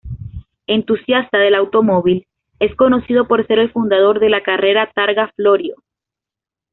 Entusiasta del automóvil, es conocido por ser el fundador de la carrera Targa Florio.